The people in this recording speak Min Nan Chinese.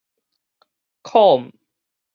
苦毋